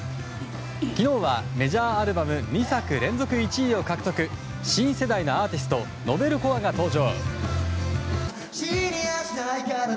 昨日は、メジャーアルバム２作連続１位を獲得新世代のアーティストＮｏｖｅｌＣｏｒｅが登場。